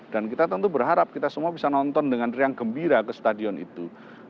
dan kita tentu berharap kita semua bisa nonton dengan riang gembira ke stadion itu